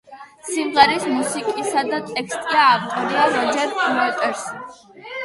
სიმღერის მუსიკისა და ტექსტია ავტორია როჯერ უოტერსი.